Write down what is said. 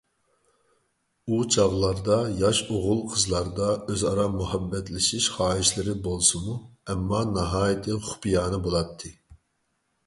ئۇ چاغلاردا ياش ئوغۇل-قىزلاردا ئۆزئارا مۇھەببەتلىشىش خاھىشلىرى بولسىمۇ، ئەمما ناھايىتى خۇپىيانە بولاتتى.